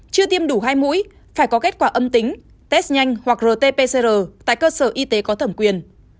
chưa tiêm đủ hai mũi phải có kết quả âm tính test nhanh hoặc rt pcr tại cơ sở y tế có thẩm quyền